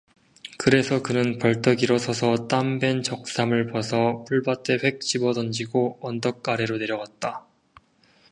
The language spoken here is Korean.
그래서 그는 벌떡 일어서며 땀 밴 적삼을 벗어 풀밭에 휙 집어던지고 언덕 아래로 내려갔다.